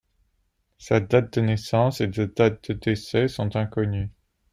Sa date de naissance et sa date de décès sont inconnues.